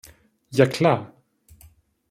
Ja, klar!